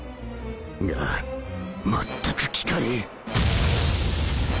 がまったく効かねえ